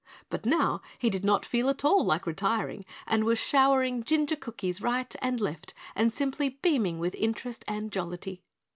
But now he did not feel at all like retiring and was showering ginger cookies right and left and simply beaming with interest and jollity.